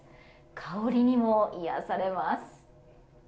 香りにも癒やされます。